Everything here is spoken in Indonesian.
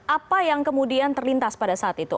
apa yang kemudian terlintas pada saat itu